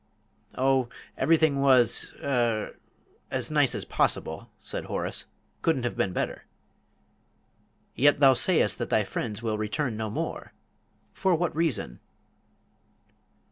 "Oh, everything was er as nice as possible," said Horace. "Couldn't have been better." "Yet thou sayest that thy friends will return no more for what reason?"